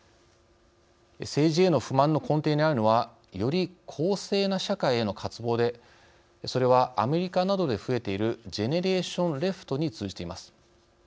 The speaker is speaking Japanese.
政治への不満の根底にあるのはより公正な社会への渇望でそれは、アメリカなどで増えているジェネレーション・レフトに通じています。